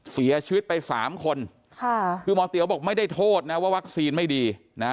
เสียชีวิตไป๓คนคือหมอเตี๋ยวบอกไม่ได้โทษนะว่าวัคซีนไม่ดีนะ